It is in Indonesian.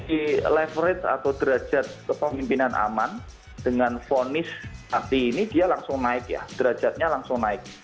dari level rate atau derajat kepemimpinan aman dengan ponis arti ini dia langsung naik ya derajatnya langsung naik